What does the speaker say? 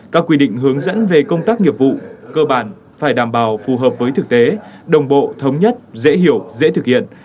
các quy định hướng dẫn về công tác nghiệp vụ cơ bản phải đảm bảo phù hợp với thực tế đồng bộ thống nhất dễ hiểu dễ thực hiện